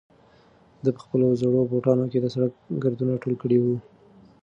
ده په خپلو زړو بوټانو کې د سړک ګردونه ټول کړي وو.